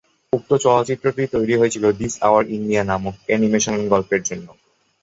উক্ত চরিত্রটি তৈরি করা হয়েছিল "দিস আওয়ার ইন্ডিয়া" নামক অ্যানিমেশন গল্পের জন্য।